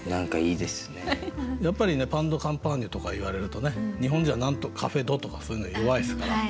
やっぱりパン・ド・カンパーニュとか言われるとね日本人は何と「カフェ・ド」とかそういうの弱いですから。